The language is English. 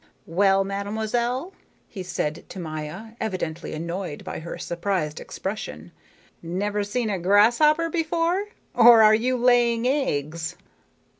"Well, mademoiselle," he said to Maya, evidently annoyed by her surprised expression, "never seen a grasshopper before? Or are you laying eggs?"